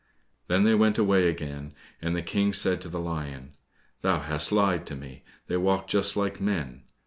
Then they went away again, and the King said to the lion, "Thou hast lied to me, they walk just like men."